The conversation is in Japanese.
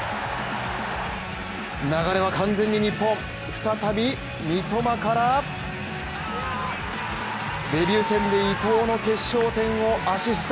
流れは完全に日本、再び三笘からデビュー戦伊東の決勝点をアシスト